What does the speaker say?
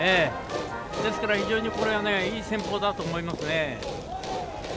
ですから非常にこれはいい戦法だと思いますね。